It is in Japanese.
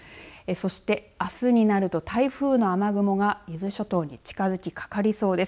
そしてあすになると台風の雨雲が伊豆諸島に近づきかかりそうです。